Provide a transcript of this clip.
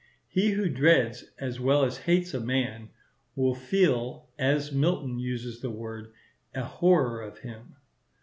He who dreads, as well as hates a man, will feel, as Milton uses the word, a horror of him.